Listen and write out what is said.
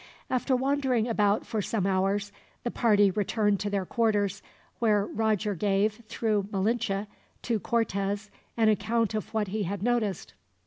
After wandering about for some hours, the party returned to their quarters, where Roger gave, through Malinche, to Cortez an account of what he had noticed.